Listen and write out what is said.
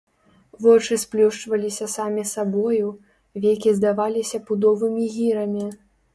Вочы сплюшчваліся самі сабою, векі здаваліся пудовымі гірамі.